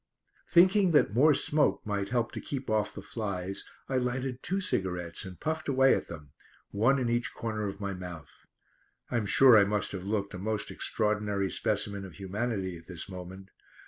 Thinking that more smoke might help to keep off the flies I lighted two cigarettes and puffed away at them, one in each corner of my mouth. I'm sure I must have looked a most extraordinary specimen of humanity at this moment.